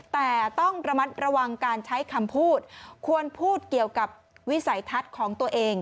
แต่ต้องระมัดระวังการใช้คำพูดควรพูดเกี่ยวกับวิสัยทัศน์ของตัวเอง